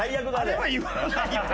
あれは言わないと。